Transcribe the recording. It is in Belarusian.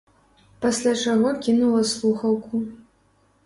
Пасля чаго кінула слухаўку.